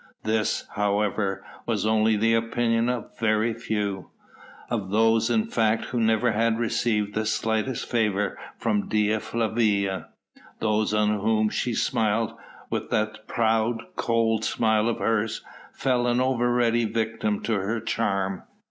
This, however, was only the opinion of very few, of those in fact who never had received the slightest favour from Dea Flavia; those on whom she smiled with that proud, cold smile of hers fell an over ready victim to her charm.